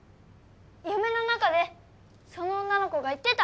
夢の中でその女の子が言ってた。